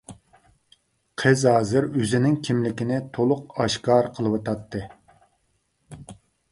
قىز ھازىر ئۆزىنىڭ كىملىكىنى تولۇق ئاشكارا قىلىۋاتاتتى.